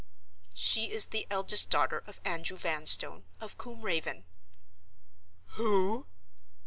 "She is the eldest daughter of Andrew Vanstone, of Combe Raven." "Who!!!"